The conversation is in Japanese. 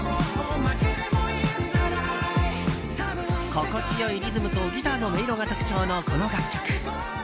心地良いリズムとギターの音色が特徴のこの楽曲。